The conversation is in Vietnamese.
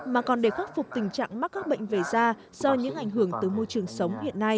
mà còn để khắc phục tình trạng mắc các bệnh về da do những ảnh hưởng từ môi trường sống hiện nay